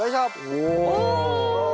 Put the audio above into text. お！